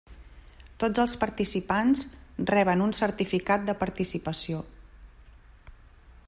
Tots els participants reben un certificat de participació.